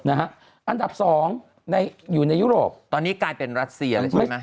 อันดับ๒อยู่ในยุโรปตอนนี้กลายเป็นรัสเซียแล้วใช่ไหม